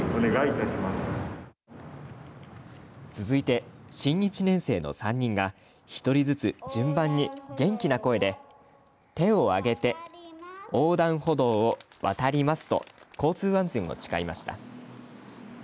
続いて、新１年生の３人が１人ずつ順番に元気な声で手を上げて横断歩道を渡りますと交通安全を誓いました。